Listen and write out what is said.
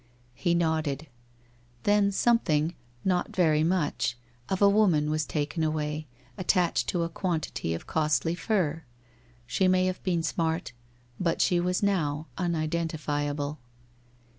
He nodded. Then, some thing — not very much — of a woman was taken away, at tached to a quantity of costly fur. She may have been smart, but she was now unidentifiable.